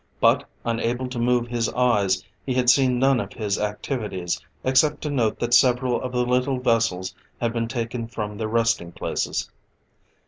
But, unable to move his eyes, he had seen none of his activities, except to note that several of the little vessels had been taken from their resting places.